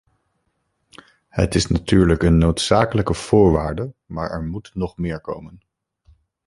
Het is natuurlijk een noodzakelijke voorwaarde maar er moet nog meer komen.